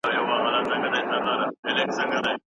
که سپک خواړه ډیر خوړل شي، وزن یې زیاتېږي.